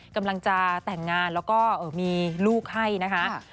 กำลังจะแต่งงานแล้วก็มีลูกให้นะคะ